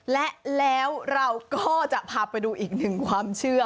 และแล้วเราก็จะพาไปดูอีกหนึ่งความเชื่อ